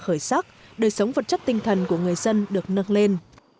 khởi sắc đời sống vật chất tinh thần của người dân được nâng lên